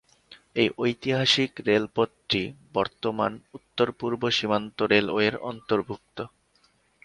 এই ঐতিহাসিক রেলপথটি বর্তমান উত্তর-পূর্ব সীমান্ত রেলওয়ের অন্তর্ভুক্ত।